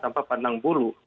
tanpa pandang buru